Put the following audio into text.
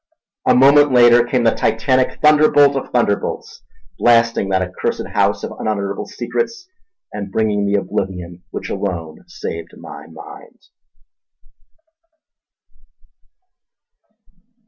A moment later came the titanic thunderbolt of thunderbolts; blasting that accursed house of unutterable secrets and bringing the oblivion which alone saved my mind.